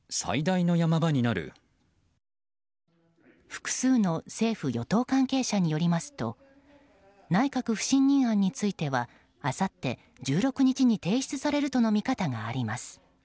複数の政府・与党関係者によりますと内閣不信任案についてはあさって１６日に提出されるとの見方があります。